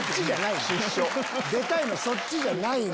出たいのそっちじゃない。